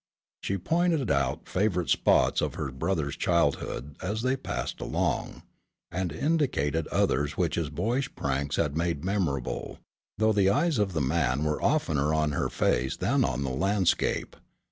She pointed out favorite spots of her brother's childhood as they passed along, and indicated others which his boyish pranks had made memorable, though the eyes of the man were oftener on her face than on the landscape.